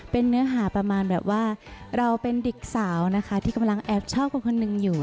เป็นเนื้อหาประมาณแบบว่าเราเป็นเด็กสาวนะคะที่กำลังแอบชอบคนหนึ่งอยู่